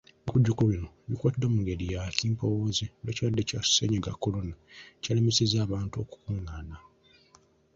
Ebikujjuko bino bikwatiddwa mu ngeri ya kimpowooze olw'ekirwadde kya Ssennyiga Corona ekikyalemesezza abantu okukungaana.